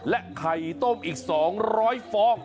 ไข่ต้มอีก๒๐๐ฟอง